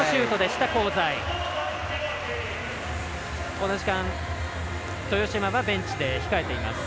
この時間豊島がベンチで控えています。